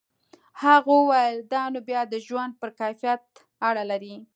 هغه وویل دا نو بیا د ژوند پر کیفیت اړه لري.